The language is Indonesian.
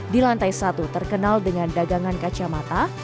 di lantai satu terkenal dengan dagangan kacamata